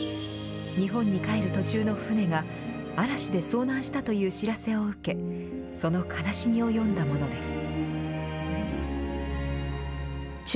日本に帰る途中の船が、嵐で遭難したという知らせを受け、その悲しみを詠んだものです。